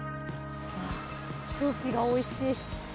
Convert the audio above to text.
空気がおいしい。